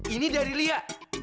ini dari lia